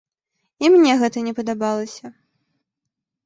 І мне гэта не падабалася.